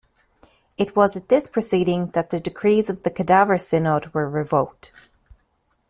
It was at this proceeding that the decrees of the Cadaver Synod were revoked.